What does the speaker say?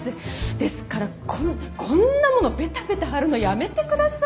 ですからここんなものをベタベタ貼るのやめてください。